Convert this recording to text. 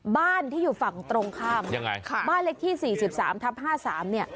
บ้านที่อยู่ฝั่งตรงข้ามบ้านเล็กที่๔๓ทับ๕๓